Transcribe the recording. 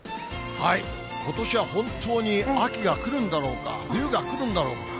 ことしは本当に秋が来るんだろうか、冬が来るんだろうか。